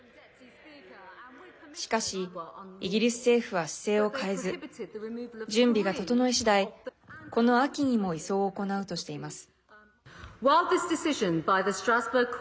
しかし、イギリス政府は姿勢を変えず準備が整い次第、この秋にも移送を行うとしています。